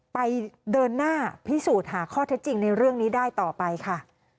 ไปเดินหน้าพิสูจน์หาข้อเท็จจริงในเรื่องนี้ได้ต่อไปค่ะ